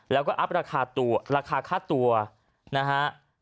แล้วก็อัพราคาตัวราคาค่าตัวนะฮะ